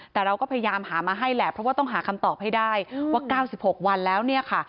แต่เราก็พยายามหามาให้แหละเพราะว่าต้องหาคำตอบให้ได้ว่า๙๖วันแล้วเนี่ยค่ะ